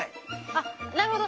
あっなるほど。